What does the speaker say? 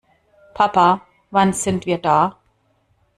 Papa, wann sind wir da?